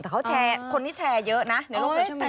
แต่เขาแชร์คนนี้แชร์เยอะนะในโรคโปรชิมนัย